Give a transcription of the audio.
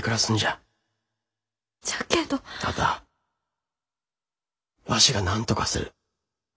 あたあわしがなんとかする。